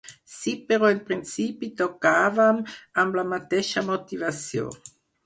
Sí, però en principi tocàvem amb la mateixa motivació.